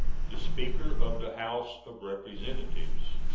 The SPEAKER OF THE HOUSE OF REPRESENTATIVES.